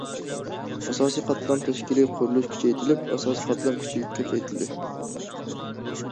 ئاساسىي قاتلام تەشكىلى قۇرۇلۇشى كۈچەيتىلىپ، ئاساسىي قاتلام كۈچى كۆپەيتىلدى.